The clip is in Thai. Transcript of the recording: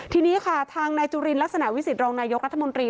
ทีนี้ค่ะทางนายจุลินลักษณะวิสิตรองนายกรัฐมนตรี